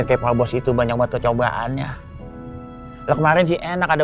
emang tuhblack emang cukup adik samad